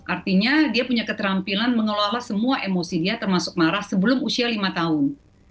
artinya dia punya keterampilan mengelola semua emosi dia termasuk marah sebelum usia lima tahun